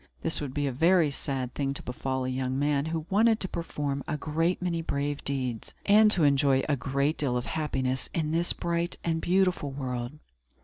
This would be a very sad thing to befall a young man who wanted to perform a great many brave deeds, and to enjoy a great deal of happiness, in this bright and beautiful world.